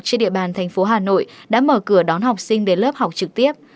trên địa bàn tp hà nội đã mở cửa đón học sinh đến lớp học trực tiếp